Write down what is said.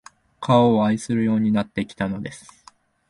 川を愛するようになってきたのです